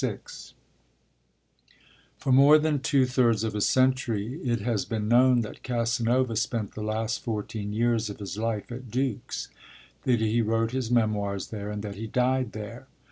II For more than two thirds of a century it has been known that Casanova spent the last fourteen years of his life at Dux, that he wrote his Memoirs there, and that he died there.